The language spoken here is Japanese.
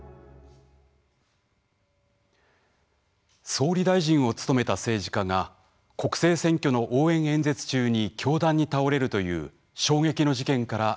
総理大臣を務めた政治家が国政選挙の応援演説中に凶弾に倒れるという衝撃の事件から１年。